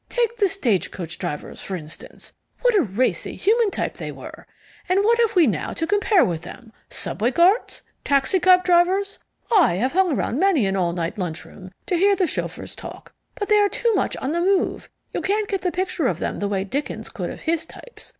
Take the stagecoach drivers, for instance. What a racy, human type they were! And what have we now to compare with them? Subway guards? Taxicab drivers? I have hung around many an all night lunchroom to hear the chauffeurs talk. But they are too much on the move, you can't get the picture of them the way Dickens could of his types.